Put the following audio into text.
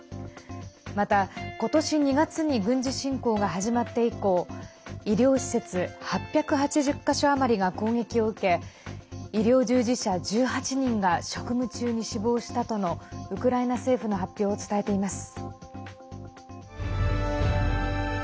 また、今年２月に軍事侵攻が始まって以降医療施設８８０か所余りが攻撃を受け医療従事者１８人が職務中に死亡したとのウクライナ政府の発表を伝えています。